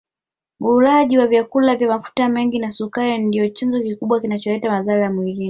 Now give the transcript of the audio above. Ulaji wa vyakula vya mafuta mengi na sukari ndio chanzo kikubwa kinacholeta madhara mwilini